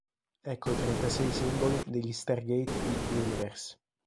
Ecco i trentasei simboli degli Stargate di "Universe".